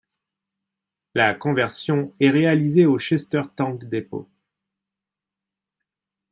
La conversion est réalisée au Chester Tank Depot.